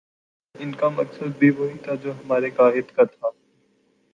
ان کا مقصد بھی وہی تھا جو ہمارے قاہد کا تھا